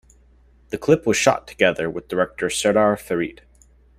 The clip was shot together with director Serdar Ferit.